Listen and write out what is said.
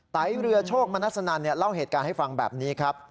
ไตเรือโชคมนัสนันเล่าเหตุการณ์ให้ฟังแบบนี้ครับ